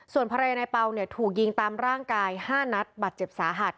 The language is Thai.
ส่วนภรรยานายเปล่าเนี่ยถูกยิงตามร่างกาย๕นัดบัตรเจ็บสาหัส